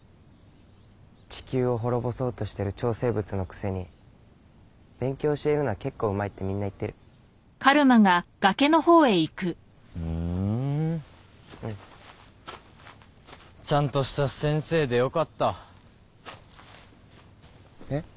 地球を滅ぼそうとしてる超生物のくせに勉強教えるのは結構うまいってみんな言ってるふーんうんちゃんとした先生でよかったえ？